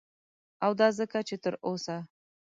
او دا ځکه چه تر اوسه